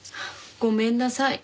ごめんなさい。